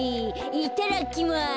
いただきます。